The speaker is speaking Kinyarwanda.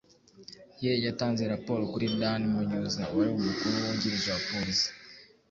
ye yatanze raporo kuri Dan Munyuza wari umukuru wungirije wa polisi,